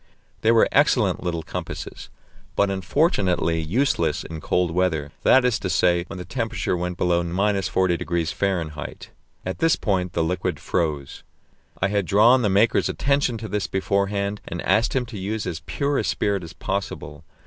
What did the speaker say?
They were excellent little compasses, but unfortunately useless in cold weather that is to say, when the temperature went below 40° F.; at this point the liquid froze. I had drawn the maker's attention to this beforehand and asked him to use as pure a spirit as possible.